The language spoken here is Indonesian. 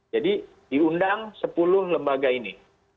jadi diundang sepuluh lembaga ini